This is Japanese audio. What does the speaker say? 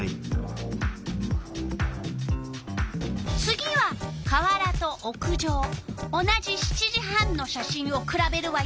次は川原と屋上同じ７時半の写真をくらべるわよ。